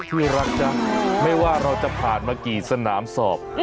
ที่รักจ๊ะไม่ว่าเราจะผ่านมากี่สนามสอบ